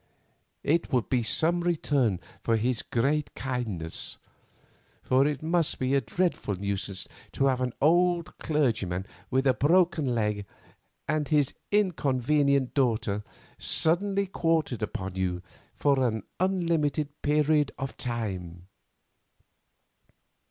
It would be some return for his great kindness, for it must be a dreadful nuisance to have an old clergyman with a broken leg and his inconvenient daughter suddenly quartered upon you for an unlimited period of time."